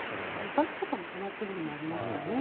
バスとかも止まっているのもありましたね。